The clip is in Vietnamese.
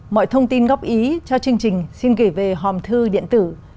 mọi thông tin góp ý cho chương trình xin kể về hòm thư điện tử